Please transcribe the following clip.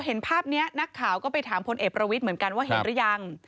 เห็นภาพนี้นักข่าวก็ไปถามพลเอกประวิทย์เหมือนกันว่าเห็นหรือยัง